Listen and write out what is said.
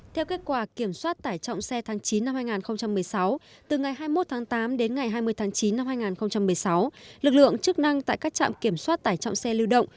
theo kết quả kiểm soát tải trọng xe tháng chín năm hai nghìn một mươi sáu từ ngày hai mươi một tháng tám đến ngày hai mươi tháng chín năm hai nghìn một mươi sáu lực lượng chức năng tại các trạm kiểm soát tải trọng xe lưu động